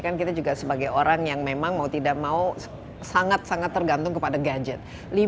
kan kita juga sebagai orang yang memang mau tidak mau sangat sangat tergantung kepada gadget